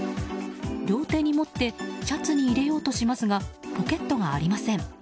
両手に持ってシャツに入れようとしますがポケットがありません。